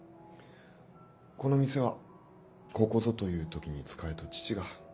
この店はここぞという時に使えと父が。